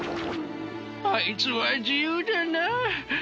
あいつは自由だなあ。